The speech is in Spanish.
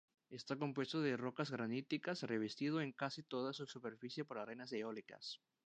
Está compuesto de rocas graníticas, revestido en casi toda su superficie por arenas eólicas.